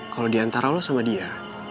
kalau diantara lo sama dia